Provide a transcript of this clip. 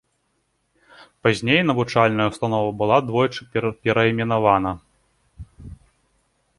Пазней навучальная ўстанова была двойчы перайменавана.